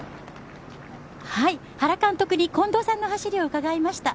原監督に近藤さんの走りを伺いました。